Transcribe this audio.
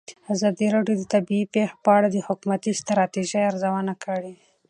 ازادي راډیو د طبیعي پېښې په اړه د حکومتي ستراتیژۍ ارزونه کړې.